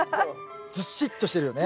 ずしっとしてるよね。